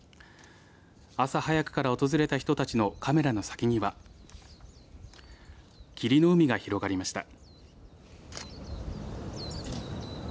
朝早くから訪れた人たちのカメラの先には霧の海が広がりました。